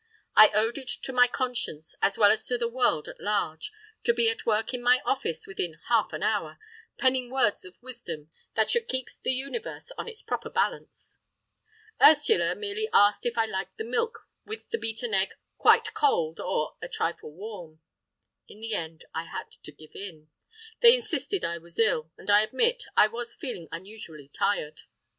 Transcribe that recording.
I owed it to my conscience, as well as to the world at large, to be at work in my office within half an hour, penning words of wisdom that should keep the universe on its proper balance. Ursula merely asked if I liked the milk with the beaten egg quite cold or a trifle warm? In the end I had to give in. They insisted I was ill; and I admit I was feeling unusually tired.